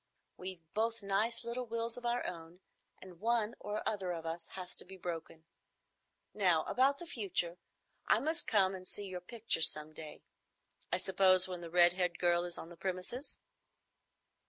"We've both nice little wills of our own, and one or other of us has to be broken. Now about the future. I must come and see your pictures some day,—I suppose when the red haired girl is on the premises."